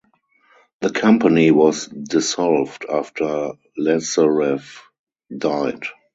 The company was dissolved after Lazareff died.